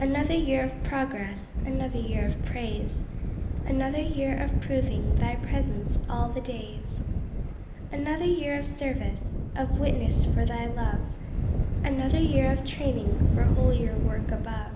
Another year of progress, Another year of praise; Another year of proving Thy presence 'all the days.' Another year of service, Of witness for Thy love; Another year of training For holier work above.